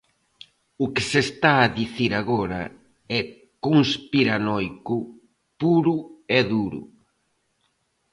O que se está a dicir agora é conspiranoico puro e duro.